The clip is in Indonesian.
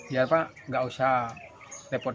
ya pak nggak usah repot